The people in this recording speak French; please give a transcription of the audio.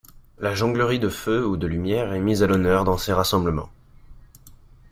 La jonglerie de feu ou de lumière est mise à l'honneur dans ces rassemblements.